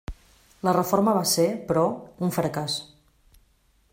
La reforma va ser, però, un fracàs.